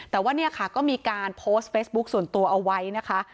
แต่ว่าเนี่ยค่ะก็มีการโพสต์เฟซบุ๊คส่วนตัวเอาไว้นะคะ